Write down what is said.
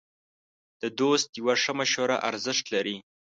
د دوست یوه ښه مشوره ارزښت لري.